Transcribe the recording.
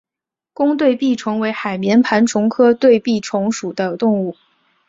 弓对臂虫为海绵盘虫科对臂虫属的动物。